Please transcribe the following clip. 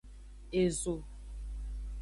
Ezo.